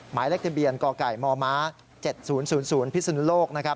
หมายเลขเทียมเบียนกกมม๗๐๐๐พิศนุโลก